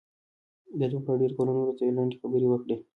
د دومره ډېرو کلونو وروسته یې لنډې خبرې وکړې.